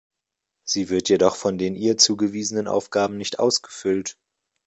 Sie wird jedoch von den ihr zugewiesenen Aufgaben nicht ausgefüllt.